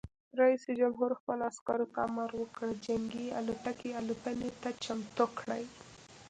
رئیس جمهور خپلو عسکرو ته امر وکړ؛ جنګي الوتکې الوتنې ته چمتو کړئ!